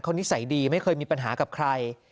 นิสัยดีไม่เคยมีปัญหากับใคร